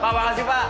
pak makasih pak